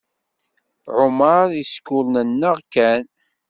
Ɛumaṛ yeskurnennaɣ kan.